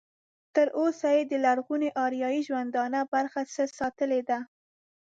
تر اوسه یې د لرغوني اریایي ژوندانه ډېر څه ساتلي دي.